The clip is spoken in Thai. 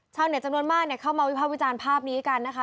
เน็ตจำนวนมากเข้ามาวิภาควิจารณ์ภาพนี้กันนะคะ